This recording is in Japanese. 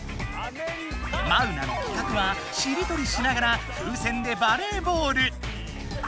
マウナの企画はしりとりしながら風船でバレーボール。